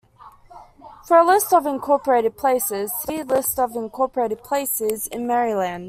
For a list of incorporated places, see List of incorporated places in Maryland.